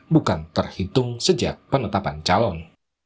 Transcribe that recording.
bukan terhitung sejak penetapan calon